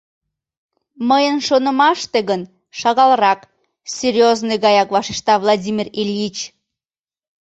Мыйын шонымаште гын, шагалрак, — серьёзный гаяк вашешта Владимир Ильич.